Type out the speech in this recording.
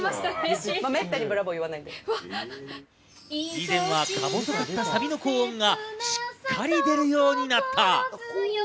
以前はか細かったサビの高音がしっかり出るようになった。